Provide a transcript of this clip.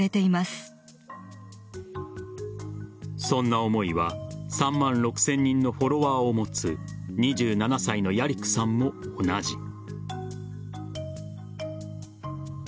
そんな思いは３万６０００人のフォロワーを持つ２７歳のヤリクさんも同じ。